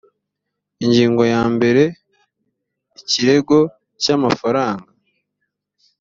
ingingo ya mbere ikirego cy amafaranga